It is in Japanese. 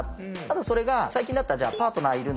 それが最近だったら「パートナーいるの？」